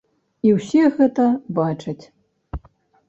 І ўсе гэта бачаць.